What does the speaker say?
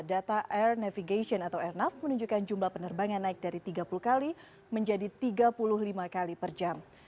data air navigation atau airnav menunjukkan jumlah penerbangan naik dari tiga puluh kali menjadi tiga puluh lima kali per jam